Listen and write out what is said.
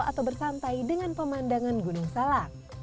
atau bersantai dengan pemandangan gunung salak